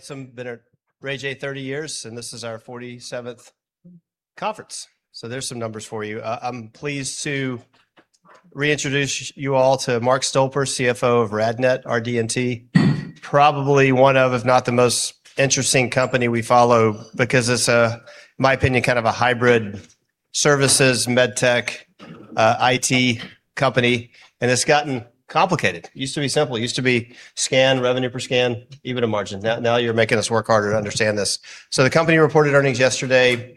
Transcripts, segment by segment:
Some been at Raymond James 30 years, and this is our 47th conference. There's some numbers for you. I'm pleased to reintroduce you all to Mark Stolper, CFO of RadNet, RadNet. Probably one of, if not the most interesting company we follow because it's a, in my opinion, kind of a hybrid services, medtech, IT company, and it's gotten complicated. Used to be simple. Used to be scan, revenue per scan, EBITDA margin. Now you're making us work harder to understand this. The company reported earnings yesterday,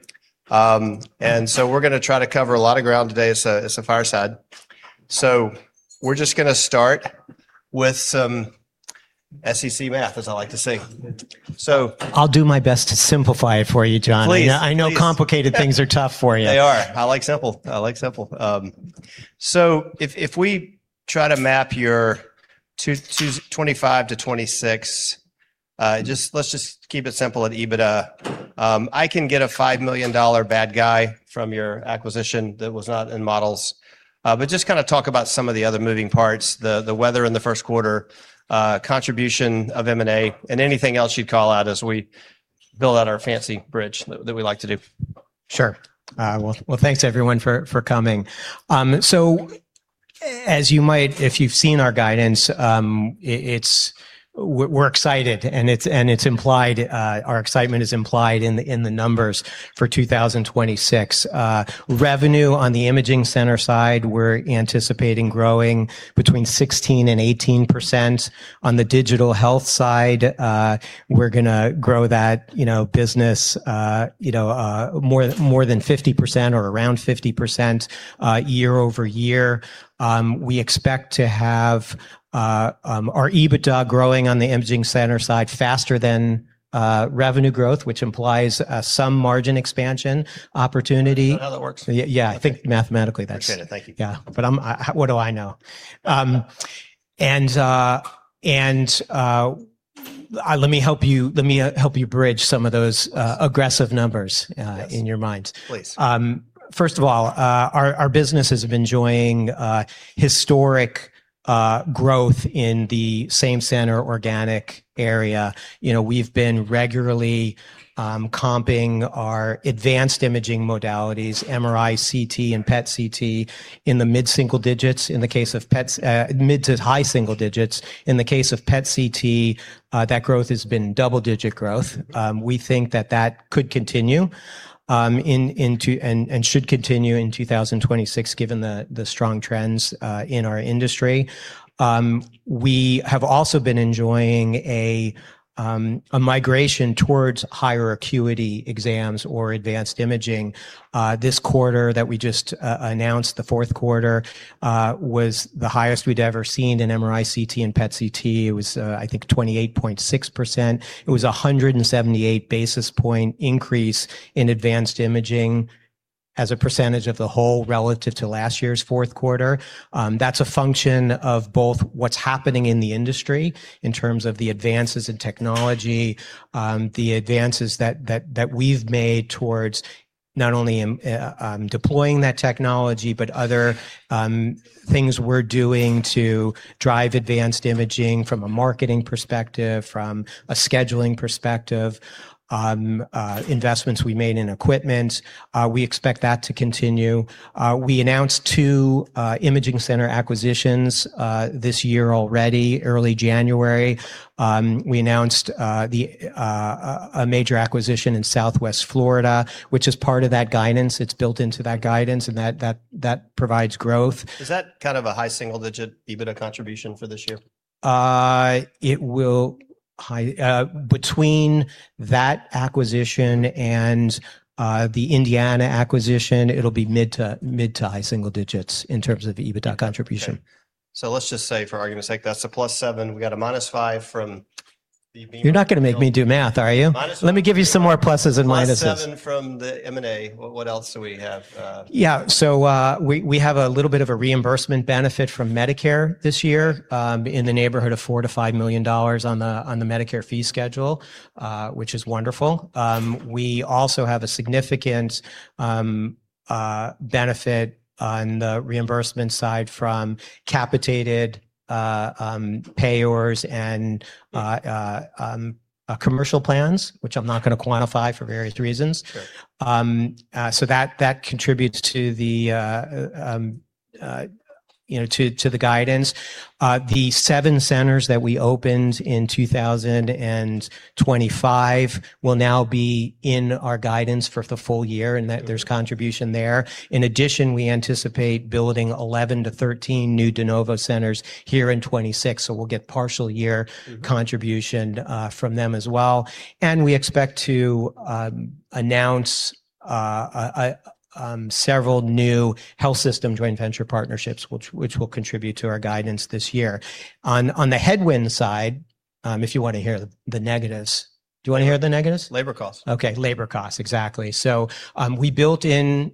we're going to try to cover a lot of ground today. It's a fireside. We're just going to start with some SEC math, as I like to say. I'll do my best to simplify it for you, John. Please. Please. I know complicated things are tough for you. They are. I like simple. I like simple. If we try to map your 2025 to 2026, just, let's just keep it simple at EBITDA. I can get a $5 million bad guy from your acquisition that was not in models. Just kinda talk about some of the other moving parts, the weather in the first quarter, contribution of M&A, and anything else you'd call out as we build out our fancy bridge that we like to do. Sure. Well, thanks everyone for coming. If you've seen our guidance, we're excited, and it's implied, our excitement is implied in the numbers for 2026. Revenue on the imaging center side, we're anticipating growing between 16% and 18%. On the digital health side, we're going to grow that, you know, business, you know, more than 50% or around 50% year-over-year. We expect to have our EBITDA growing on the imaging center side faster than revenue growth, which implies some margin expansion opportunity. Is that how that works? Yeah, yeah. I think mathematically that's. Appreciate it. Thank you. Yeah. What do I know? Let me help you, let me help you bridge some of those aggressive numbers in your minds. Please. First of all, our businesses have been enjoying historic growth in the same center organic area. You know, we've been regularly comping our advanced imaging modalities, MRI, CT, and PET CT in the mid-single digits. Mid to high single digits. In the case of PET CT, that growth has been double-digit growth. We think that that could continue and should continue in 2026, given the strong trends in our industry. We have also been enjoying a migration towards higher acuity exams or advanced imaging. This quarter that we just announced, the fourth quarter, was the highest we'd ever seen in MRI, CT, and PET CT. It was, I think 28.6%. It was 178 basis point increase in advanced imaging as a percentage of the whole relative to last year's fourth quarter. That's a function of both what's happening in the industry in terms of the advances in technology, the advances that we've made towards not only deploying that technology, but other things we're doing to drive advanced imaging from a marketing perspective, from a scheduling perspective, investments we made in equipment. We expect that to continue. We announced 2 imaging center acquisitions this year already, early January. We announced a major acquisition in Southwest Florida, which is part of that guidance. It's built into that guidance, that provides growth. Is that kind of a high single digit EBITDA contribution for this year? Between that acquisition and the Indiana acquisition, it'll be mid to high single digits in terms of the EBITDA contribution. Okay. Let's just say for argument's sake, that's a plus 7. We got a minus 5. You're not going to make me do math, are you? Minus? Let me give you some more pluses and minuses. Plus 7 from the M&A. What else do we have? Yeah. We have a little bit of a reimbursement benefit from Medicare this year, in the neighborhood of $4 million-$5 million on the Medicare Physician Fee Schedule, which is wonderful. We also have a significant benefit on the reimbursement side from capitated payers and commercial plans, which I'm not going to quantify for various reasons. Sure. That contributes to the, you know, to the guidance. The 7 centers that we opened in 2025 will now be in our guidance for the full year, and that there's contribution there. In addition, we anticipate building 11 to 13 new de novo centers here in 26, so we'll get partial year contribution from them as well. We expect to announce several new health system joint venture partnerships which will contribute to our guidance this year. On the headwind side, if you want to hear the negatives. Do you want to hear the negatives? Labor costs. Okay. Labor costs, exactly. We built in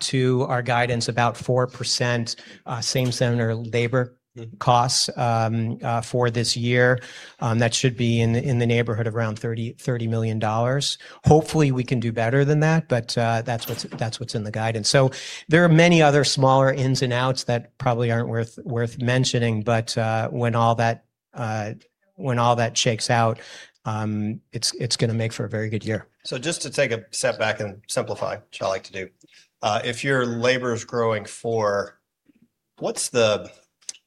to our guidance about 4%, same center labor costs. Mm-hmm. For this year. That should be in the neighborhood around $30 million. Hopefully, we can do better than that, but that's what's in the guidance. There are many other smaller ins and outs that probably aren't worth mentioning, but when all that shakes out, it's going to make for a very good year. Just to take a step back and simplify, which I like to do, if your labor's growing 4, what's the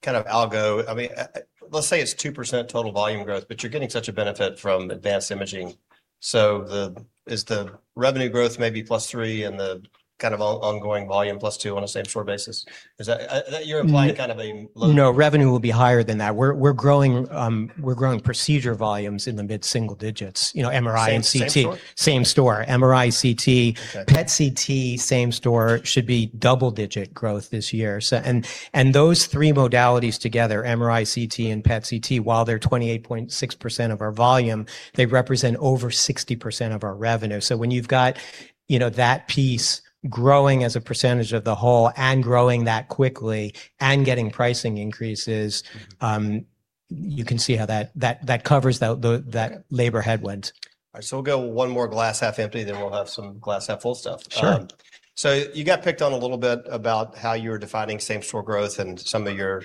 kind of I mean, let's say it's 2% total volume growth, but you're getting such a benefit from advanced imaging, so the... Is the revenue growth maybe +3 and the kind of on-ongoing volume +2 on a same-store basis? Is that that you're implying? No kind of a low. No, revenue will be higher than that. We're growing procedure volumes in the mid-single digits. You know, MRI and CT. Same store? Same store. MRI, CT. Okay. PET CT same store should be double-digit growth this year. And those three modalities together, MRI, CT and PET CT, while they're 28.6% of our volume, they represent over 60% of our revenue. When you've got, you know, that piece growing as a percentage of the whole and growing that quickly and getting pricing increases you can see how that covers that labor headwind. All right. We'll go one more glass half empty, then we'll have some glass half full stuff. Sure. You got picked on a little bit about how you were defining same-store growth and some of your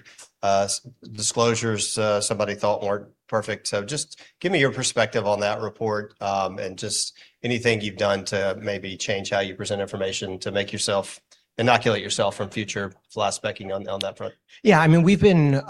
disclosures somebody thought weren't perfect. Just give me your perspective on that report and just anything you've done to maybe change how you present information to make yourself inoculate yourself from future glass specking on that front. Yeah, I mean, we've been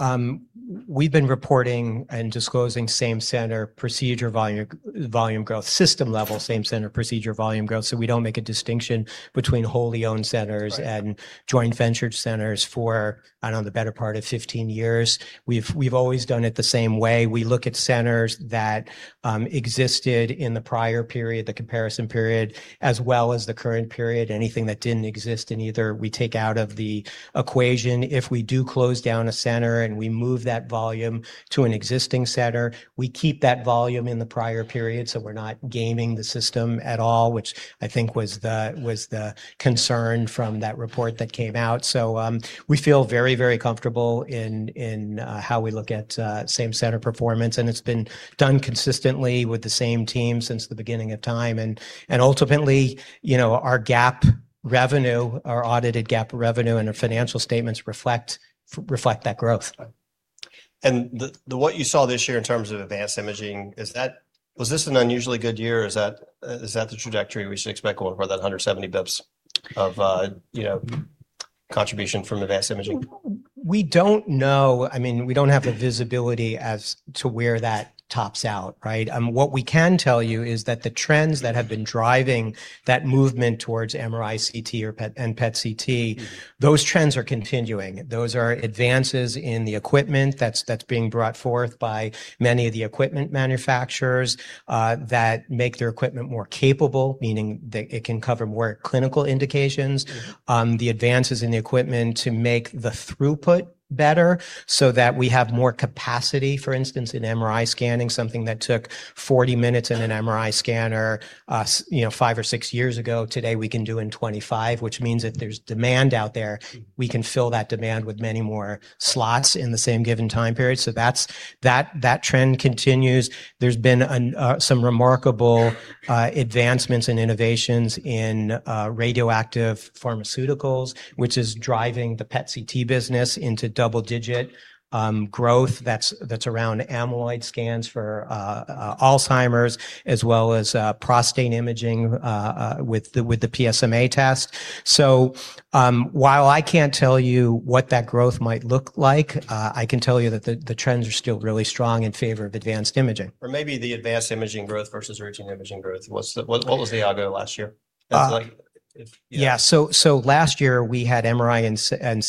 reporting and disclosing same center procedure volume growth, system level same center procedure volume growth. We don't make a distinction between wholly owned centers. Right And joint ventured centers for, I don't know, the better part of 15 years. We've always done it the same way. We look at centers that existed in the prior period, the comparison period, as well as the current period. Anything that didn't exist in either we take out of the equation. If we do close down a center and we move that volume to an existing center, we keep that volume in the prior period, so we're not gaming the system at all, which I think was the concern from that report that came out. We feel very, very comfortable in how we look at same center performance, and it's been done consistently with the same team since the beginning of time. Ultimately, you know, our GAAP revenue, our audited GAAP revenue and our financial statements reflect that growth. The what you saw this year in terms of advanced imaging, was this an unusually good year, or is that, is that the trajectory we should expect going forward, that 170 basis points of, you know, contribution from advanced imaging? We don't know. I mean, we don't have the visibility as to where that tops out, right? What we can tell you is that the trends that have been driving that movement towards MRI, CT or PET and PET CT. Those trends are continuing. Those are advances in the equipment that's being brought forth by many of the equipment manufacturers, that make their equipment more capable, meaning that it can cover more clinical indications. The advances in the equipment to make the throughput better so that we have more capacity, for instance, in MRI scanning, something that took 40 minutes in an MRI scanner, you know, 5 or 6 years ago, today we can do in 25, which means if there's demand out there. We can fill that demand with many more slots in the same given time period. That's, that trend continues. There's been an some remarkable advancements and innovations in radioactive pharmaceuticals, which is driving the PET CT business into double-digit growth. That's around amyloid scans for Alzheimer's as well as prostate imaging with the PSMA test. While I can't tell you what that growth might look like, I can tell you that the trends are still really strong in favor of advanced imaging. maybe the advanced imaging growth versus routine imaging growth. What was the algo last year? It's like if. Yeah. Yeah. Last year we had MRI and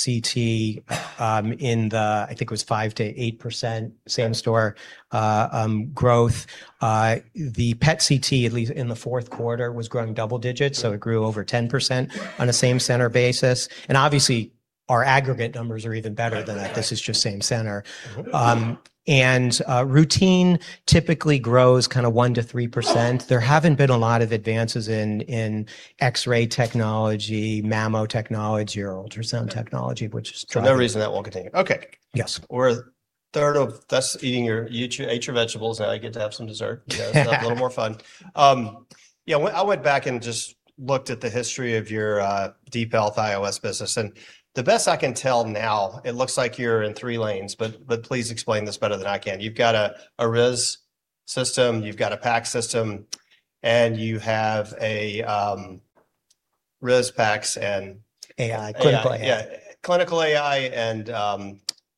CT, in the, I think it was 5%-8% same store. Okay. Growth. The PET CT, at least in the fourth quarter, was growing double digits, so it grew over 10% on a same center basis. Obviously, our aggregate numbers are even better than that. Okay. This is just same center. routine typically grows kinda 1% to 3%. There haven't been a lot of advances in X-ray technology, mammo technology or ultrasound technology which is driving- No reason that won't continue. Okay. Yes. We're a third of thus eating. You ate your vegetables, now I get to have some dessert. It's a little more fun. Yeah, I went back and just looked at the history of your DeepHealth iOS business, and the best I can tell now, it looks like you're in three lanes, but please explain this better than I can. You've got a RIS system, you've got a PACS system, and you have a, RIS, PACS, and. AI. Clinical AI. AI. Yeah. Clinical AI and,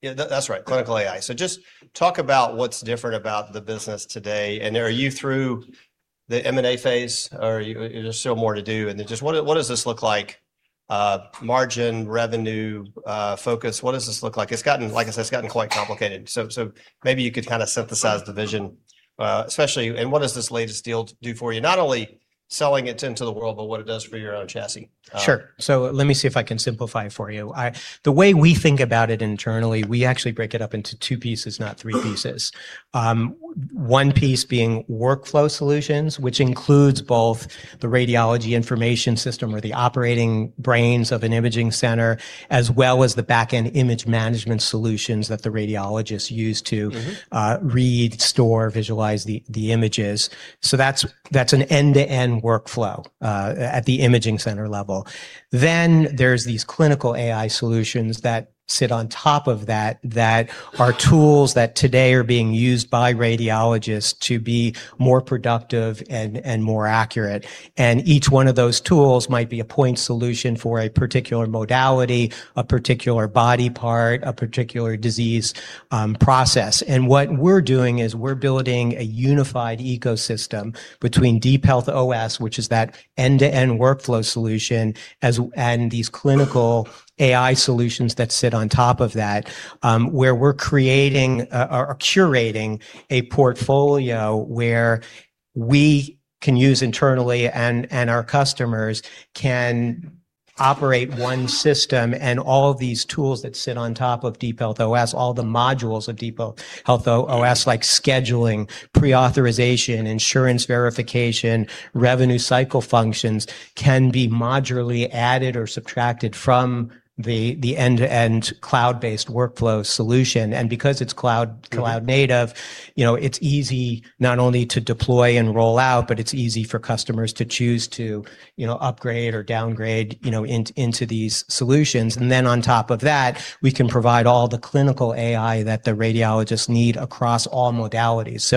yeah, that's right, clinical AI. Just talk about what's different about the business today, and are you through the M&A phase, or are there still more to do? Just what does this look like, margin, revenue, focus? What does this look like? It's gotten, like I said, it's gotten quite complicated, so maybe you could kinda synthesize the vision, especially. What does this latest deal do for you? Not only selling it into the world, but what it does for your own chassis. Sure. Let me see if I can simplify it for you. The way we think about it internally, we actually break it up into two pieces, not three pieces. One piece being workflow solutions, which includes both, the radiology information system are the operating brains of an imaging center as well as the back-end image management solutions that the radiologists use to read, store, visualize the images. That's an end-to-end workflow at the imaging center level. There's these clinical AI solutions that sit on top of that are tools that today are being used by radiologists to be more productive and more accurate, and each one of those tools might be a point solution for a particular modality, a particular body part, a particular disease, process. What we're doing is we're building a unified ecosystem between DeepHealth OS, which is that end-to-end workflow solution and these clinical AI solutions that sit on top of that, where we're creating or curating a portfolio where we can use internally and our customers can operate one system and all of these tools that sit on top of DeepHealth OS, all the modules of DeepHealth OS, like scheduling, pre-authorization, insurance verification, revenue cycle functions, can be modularly added or subtracted from the end-to-end cloud-based workflow solution. Because it's cloud- Mm-hmm. Cloud-native, you know, it's easy not only to deploy and roll out, but it's easy for customers to choose to, you know, upgrade or downgrade, you know, into these solutions. On top of that, we can provide all the clinical AI that the radiologists need across all modalities.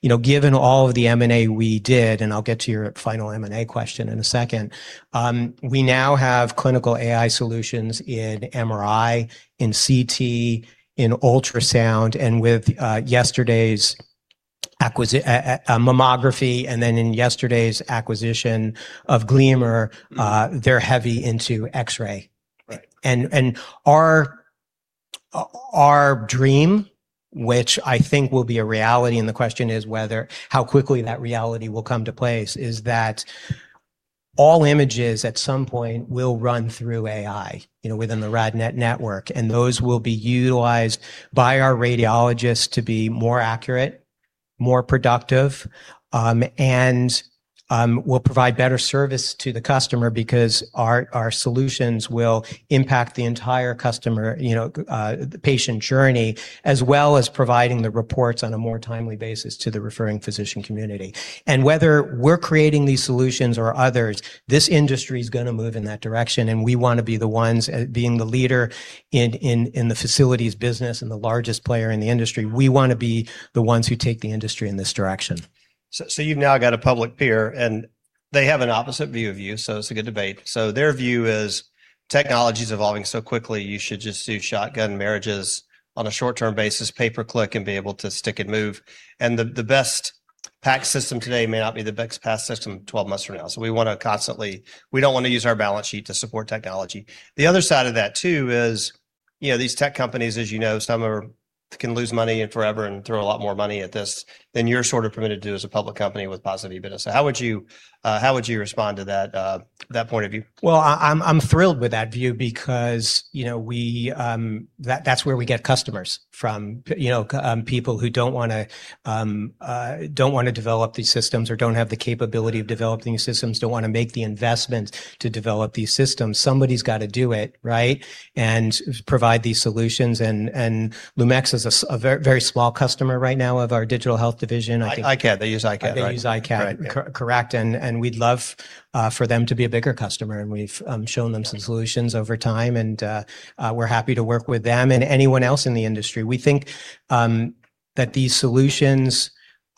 You know, given all of the M&A we did, and I'll get to your final M&A question in a second, we now have clinical AI solutions in MRI, in CT, in ultrasound, and with yesterday's mammography and then in yesterday's acquisition of Gleamer they're heavy into x-ray. Right. Our dream, which I think will be a reality, and the question is whether how quickly that reality will come to place, is that all images at some point will run through AI, you know, within the RadNet network, and those will be utilized by our radiologists to be more accurate, more productive, and will provide better service to the customer because our solutions will impact the entire customer, you know, the patient journey, as well as providing the reports on a more timely basis to the referring physician community. Whether we're creating these solutions or others, this industry is going to move in that direction, and we want to be the ones, being the leader in the facilities business and the largest player in the industry, we want to be the ones who take the industry in this direction. You've now got a public peer and they have an opposite view of you. It's a good debate. Their view is technology's evolving so quickly you should just do shotgun marriages on a short-term basis, pay per click and be able to stick and move, and the best PACS system today may not be the best PACS system 12 months from now. We want to constantly. We don't want to use our balance sheet to support technology. The other side of that too is, you know, these tech companies, as you know, some are, can lose money and forever and throw a lot more money at this than you're sort of permitted to as a public company with positive EBITDA. How would you, how would you respond to that point of view? Well, I'm thrilled with that view because, you know, we, that's where we get customers from, you know, people who don't want to, don't want to develop these systems or don't have the capability of developing systems. Yeah. Don't want to make the investment to develop these systems. Somebody's gotta do it, right? Provide these solutions and Lumx is a very, very small customer right now of our digital health division. i-CAT. They use i-CAT, right? They use i-CAT. Right. Yeah. Correct. We'd love for them to be a bigger customer, and we've shown them some solutions over time, and we're happy to work with them and anyone else in the industry. We think that these solutions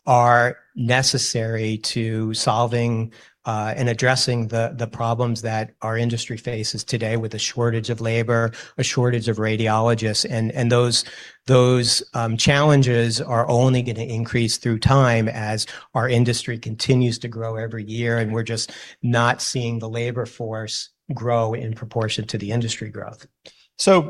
are necessary to solving and addressing the problems that our industry faces today with a shortage of labor, a shortage of radiologists, and those challenges are only gonna increase through time as our industry continues to grow every year, and we're just not seeing the labor force grow in proportion to the industry growth.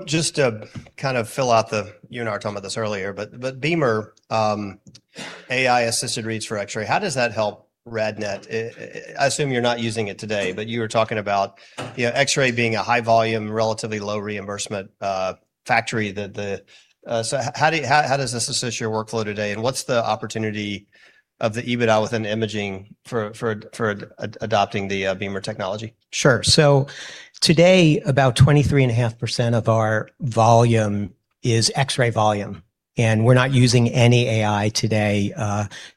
Just to kind of fill out the. You and I were talking about this earlier, but Gleamer, AI-assisted reads for X-ray, how does that help RadNet? I assume you're not using it today, but you were talking about, you know, X-ray being a high volume, relatively low reimbursement, factory. The, the, how do, how does this assist your workflow today, and what's the opportunity of the EBITDA within imaging for adopting the Gleamer technology? Sure. Today, about 23.5% of our volume is X-ray volume, and we're not using any AI today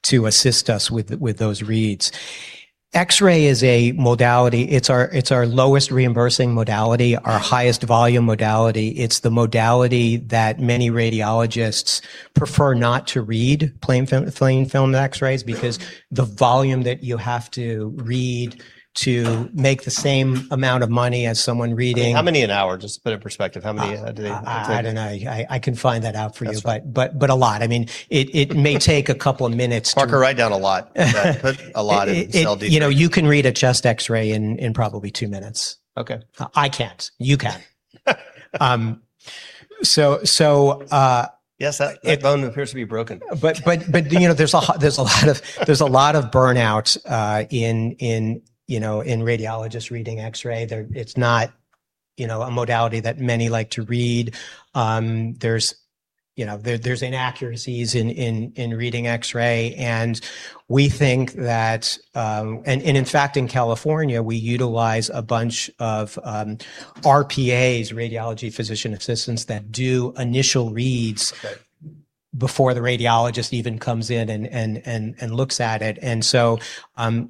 to assist us with those reads. X-ray is a modality. It's our lowest reimbursing modality, our highest volume modality. It's the modality that many radiologists prefer not to read, plain film X-rays, because the volume that you have to read to make the same amount of money as someone reading... How many an hour? Just to put in perspective, how many do they take? I don't know. I can find that out for you. That's fine. A lot. I mean, it may take a couple of minutes. Parker, write down a lot. Put a lot in the LD there. It, you know, you can read a chest X-ray in probably two minutes. Okay. I can't. You can. Yes, that bone appears to be broken. You know, there's a lot of, there's a lot of burnout in, you know, in radiologists reading X-ray. You know, a modality that many like to read. There's, you know, inaccuracies in reading X-ray. We think that. In fact, in California, we utilize a bunch of RPAs, radiology physician assistants, that do initial reads. Okay. Before the radiologist even comes in and looks at it.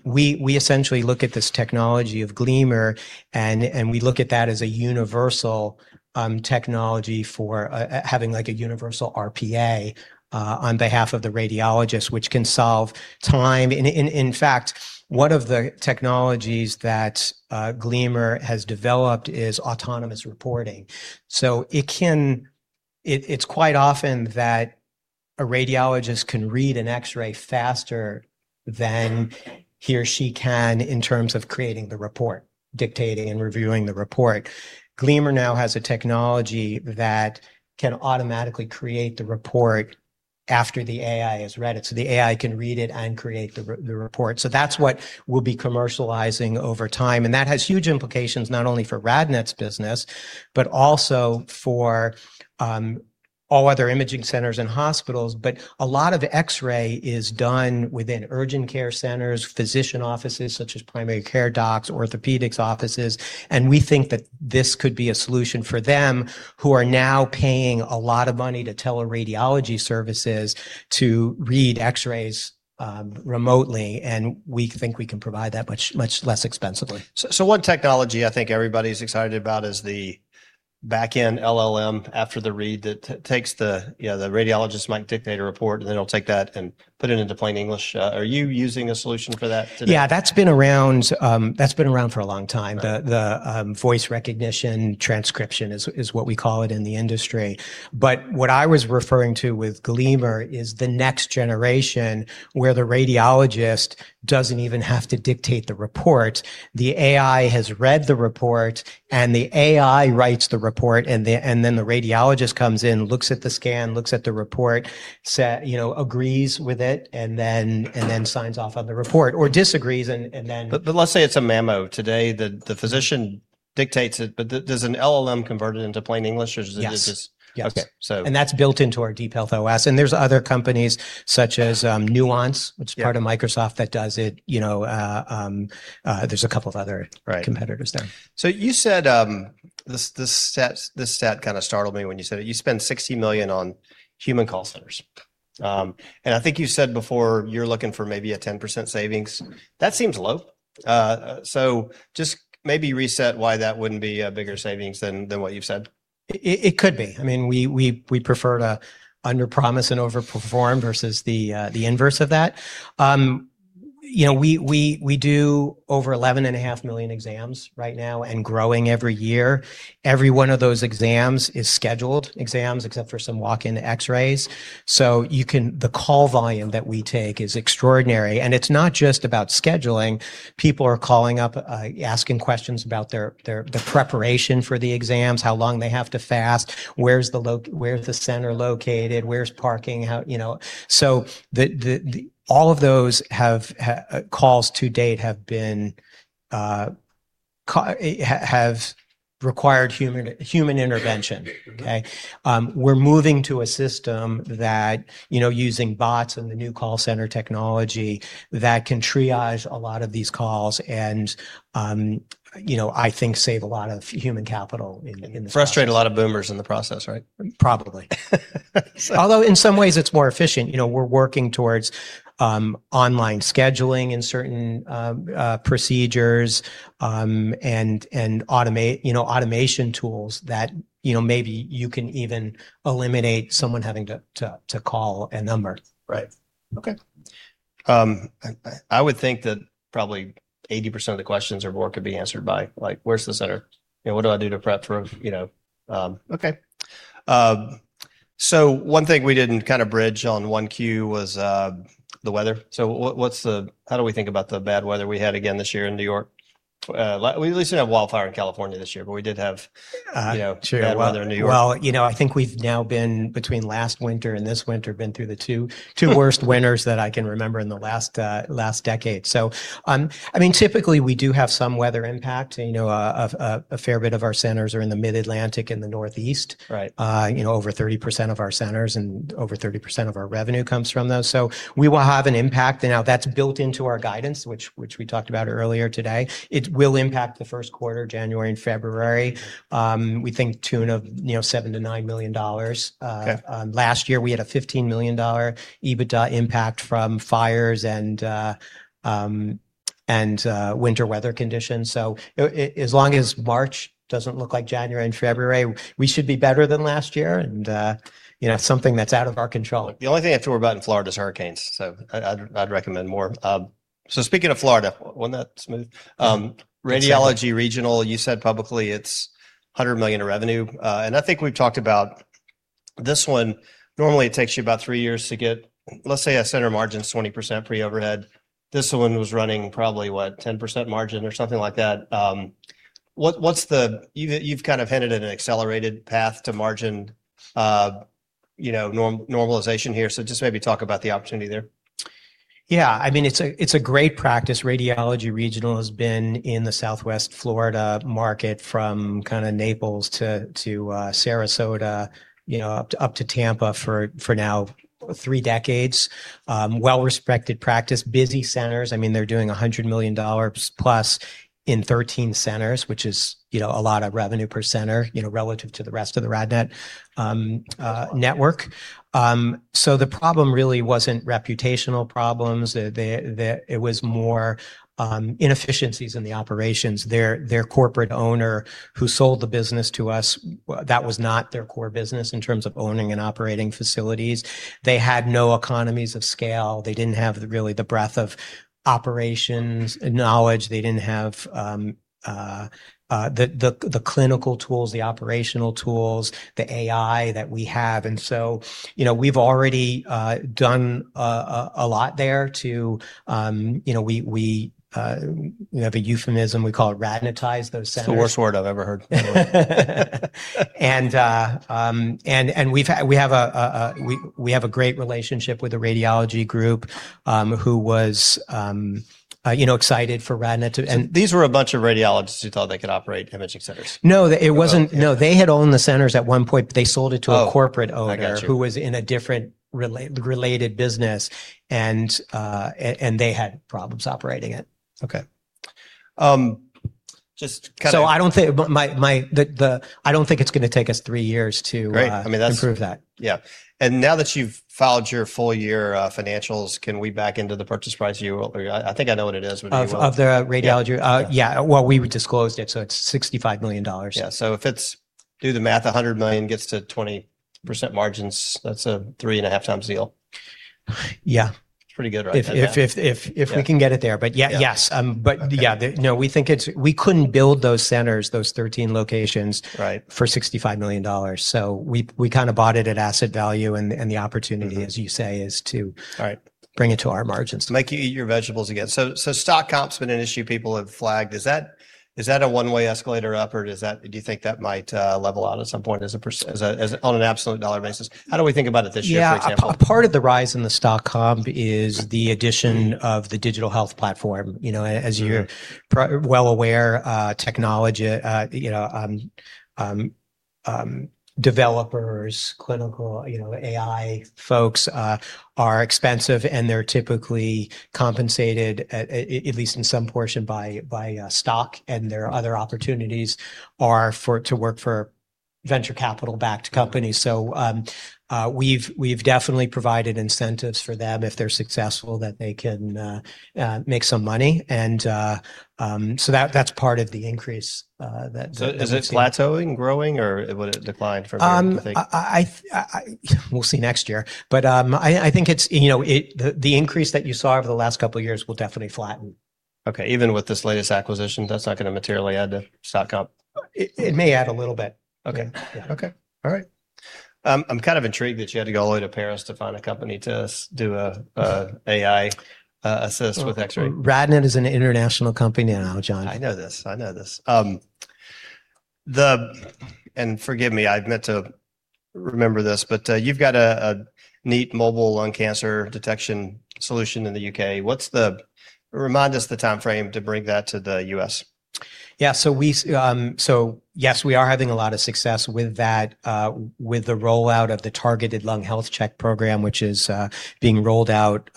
We essentially look at this technology of Gleamer and we look at that as a universal technology for having like a universal RPA on behalf of the radiologist, which can solve time. In fact, one of the technologies that Gleamer has developed is autonomous reporting. It's quite often that a radiologist can read an X-ray faster than he or she can in terms of creating the report, dictating and reviewing the report. Gleamer now has a technology that can automatically create the report after the AI has read it. The AI can read it and create the report. That's what we'll be commercializing over time, and that has huge implications not only for RadNet's business, but also for all other imaging centers and hospitals. A lot of X-ray is done within urgent care centers, physician offices such as primary care docs, orthopedics offices, and we think that this could be a solution for them, who are now paying a lot of money to teleradiology services to read X-rays remotely, and we think we can provide that much, much less expensively. One technology I think everybody's excited about is the backend LLM after the read that You know, the radiologist might dictate a report, and then it'll take that and put it into plain English. Are you using a solution for that today? Yeah, that's been around, that's been around for a long time. Right. The voice recognition transcription is what we call it in the industry. What I was referring to with Gleamer is the next generation, where the radiologist doesn't even have to dictate the report. The AI has read the report, and the AI writes the report, and then the radiologist comes in, looks at the scan, looks at the report, you know, agrees with it, and then signs off on the report. disagrees and. Let's say it's a mammo. Today, the physician dictates it, does an LLM convert it into plain English or does it just? Yes. Yes. Okay. That's built into our DeepHealth OS. There's other companies such as Nuance- Yeah. Which is part of Microsoft, that does it. You know, there's a couple of other. Right. Competitors there. You said, this stat kinda startled me when you said it. You spend $60 million on human call centers. I think you said before you're looking for maybe a 10% savings. That seems low. Just maybe reset why that wouldn't be a bigger savings than what you've said? It could be. I mean, we prefer to underpromise and overperform versus the inverse of that. You know, we do over 11.5 million exams right now and growing every year. Every one of those exams is scheduled exams except for some walk-in X-rays. The call volume that we take is extraordinary, and it's not just about scheduling. People are calling up, asking questions about their, the preparation for the exams, how long they have to fast, where's the center located, where's parking, how... You know? The All of those have calls to date have required human intervention. Okay? We're moving to a system that, you know, using bots and the new call center technology that can triage a lot of these calls and, you know, I think save a lot of human capital in the process. Frustrate a lot of boomers in the process, right? Probably. In some ways, it's more efficient. You know, we're working towards online scheduling in certain procedures, and automation tools that, you know, maybe you can even eliminate someone having to call a number. Right. Okay. I would think that probably 80% of the questions or more could be answered by, like, where's the center? You know, what do I do to prep for a. You know? Okay. One thing we didn't kind of bridge on One Q was, the weather. How do we think about the bad weather we had again this year in New York? We at least didn't have wildfire in California this year, but we did have you know, bad weather in New York. You know, I think we've now been, between last winter and this winter, been through the 2 worst winters that I can remember in the last decade. I mean, typically, we do have some weather impact. You know, a fair bit of our centers are in the Mid-Atlantic and the Northeast. Right. You know, over 30% of our centers and over 30% of our revenue comes from those. We will have an impact. That's built into our guidance, which we talked about earlier today. It will impact the first quarter, January and February, we think to the tune of, you know, $7 million-$9 million. Okay Last year, we had a $15 million EBITDA impact from fires and winter weather conditions. As long as March doesn't look like January and February, we should be better than last year. You know, it's something that's out of our control. The only thing I have to worry about in Florida is hurricanes, I'd recommend more. Speaking of Florida, wasn't that smooth? Radiology Regional, you said publicly it's $100 million in revenue. I think we've talked about this one, normally it takes you about three years to get, let's say, a center margin's 20% pre-overhead. This one was running probably, what, 10% margin or something like that. What's the... You've kind of hinted at an accelerated path to margin, You know, normalization here. Maybe talk about the opportunity there. I mean, it's a great practice. Radiology Regional has been in the Southwest Florida market from kinda Naples to Sarasota, you know, up to Tampa for now three decades. Well-respected practice, busy centers. I mean, they're doing $100 million plus in 13 centers, which is, you know, a lot of revenue per center, you know, relative to the rest of the RadNet network. The problem really wasn't reputational problems. It was more inefficiencies in the operations. Their corporate owner who sold the business to us, that was not their core business in terms of owning and operating facilities. They had no economies of scale. They didn't have the, really the breadth of operations and knowledge. They didn't have the clinical tools, the operational tools, the AI that we have. You know, we've already done a lot there to, you know, we, you know, the euphemism, we call it RadNetize those centers. It's the worst word I've ever heard in my life. We have a great relationship with the radiology group, who was, you know, excited for RadNet to. These were a bunch of radiologists who thought they could operate imaging centers. No, it wasn't. They both. Yeah. No, they had owned the centers at one point, but they sold it. Oh. A corporate. I got you. Who was in a different related business, and they had problems operating it. Okay. I don't think it's gonna take us three years. Great. I mean, that's. Improve that. Yeah. Now that you've filed your full year financials, can we back into the purchase price you or I think I know what it is, but do you want? Of the radiology? Yeah. Yeah. Yeah. Well, we disclosed it, so it's $65 million. Yeah. if it's, do the math, $100 million gets to 20% margins, that's a 3.5 times deal. Yeah. It's pretty good right there, yeah. If we can get it there. Yeah. Yeah, yes. Okay. Yeah. We couldn't build those centers, those 13 locations. Right? For $65 million. We kinda bought it at asset value, and the opportunity. Mm-hmm. As you say, is. All right. Bring it to our margins. Make you eat your vegetables again. Stock comp's been an issue people have flagged. Is that a one-way escalator up, or does that, do you think that might level out at some point as a, on an absolute dollar basis? How do we think about it this year, for example? Yeah. A part of the rise in the stock comp is the addition of the digital health platform. You know, as you're well aware, technology, you know, developers, clinical, you know, AI folks, are expensive, and they're typically compensated at least in some portion by stock. Their other opportunities are to work for venture capital-backed companies. We've definitely provided incentives for them if they're successful that they can make some money. That's part of the increase that we're seeing. Is it plateauing, growing, or would it decline from here, do you think? I we'll see next year. I think it's, you know, the increase that you saw over the last couple years will definitely flatten. Okay. Even with this latest acquisition, that's not gonna materially add to stock comp? It may add a little bit. Okay. Yeah. Okay. All right. I'm kind of intrigued that you had to go all the way to Paris to find a company to do a AI assist with X-ray. Well, RadNet is an international company now, John. I know this. Forgive me, I meant to remember this, you've got a neat mobile lung cancer detection solution in the UK. Remind us the timeframe to bring that to the US. We, so yes, we are having a lot of success with that, with the rollout of the Targeted Lung Health Check programme, which is being rolled out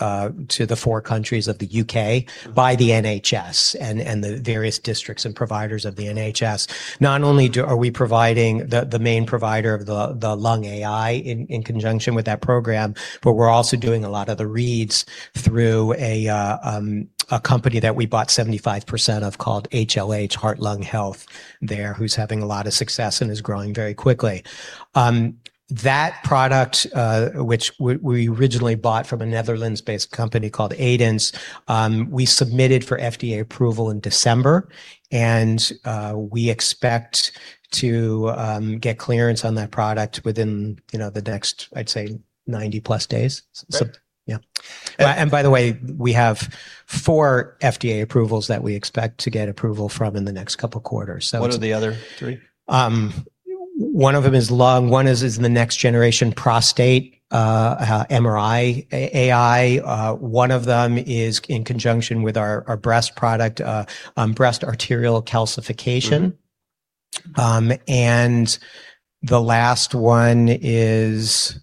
to the four countries of the U.K. by the NHS and the various districts and providers of the NHS. Not only are we providing the main provider of the lung AI in conjunction with that program, but we're also doing a lot of the reads through a company that we bought 75% of called HLH, Heart & Lung Health there, who's having a lot of success and is growing very quickly. That product, which we originally bought from a Netherlands-based company called Aidence, we submitted for FDA approval in December, and we expect to get clearance on that product within, you know, the next, I'd say 90+ days. Great. Yeah. By the way, we have 4 FDA approvals that we expect to get approval from in the next couple quarters. What are the other three? One of them is lung, one is the next generation prostate, MRI AI. One of them is in conjunction with our breast product, breast arterial calcification. Mm-hmm. The last one is.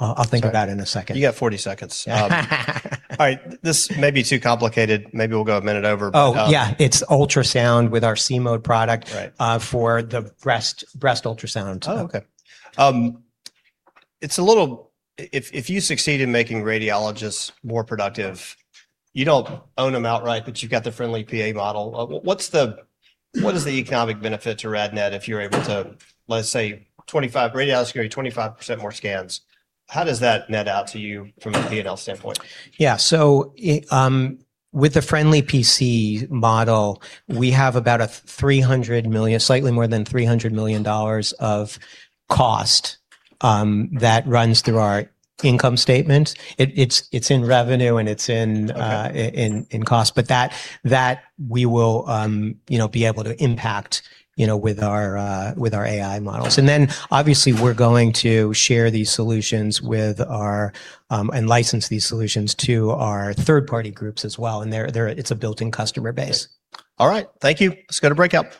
I'll think about it in a second. You got 40 seconds. All right. This may be too complicated. Maybe we'll go a minute over. Oh, yeah. It's ultrasound with our C-mode product- Right. For the breast ultrasound. Okay. If you succeed in making radiologists more productive, you don't own them outright, but you've got the friendly PA model. What is the economic benefit to RadNet if you're able to, let's say, 25 radiologists give you 25% more scans, how does that net out to you from a P&L standpoint? With the friendly PC model, we have about a $300 million, slightly more than $300 million of cost that runs through our income statement. It's in revenue, and it's in-. Okay. In cost. That we will, you know, be able to impact, you know, with our AI models. Obviously we're going to share these solutions with our, and license these solutions to our third-party groups as well, and they're, it's a built-in customer base. Okay. All right. Thank you. Let's go to breakout.